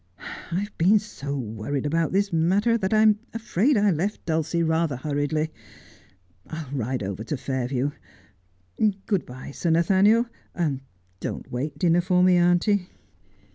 I have been so worried about this matter that I'm afraid I left Dulcie rather hurriedly. I'll ride over to Fair view. Good bye, Sir Nathaniel. Don't wait dinner for me, auntie.'